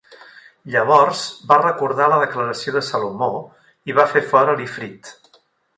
Llavors, va recordar la declaració de Salomó i va fer fora l'Ifrit.